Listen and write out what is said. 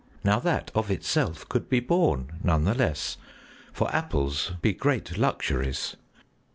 Now that of itself could be borne, none the less, for apples be great luxuries.